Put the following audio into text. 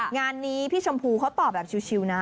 งานนี้พี่ภูเขาตอบชิวนะ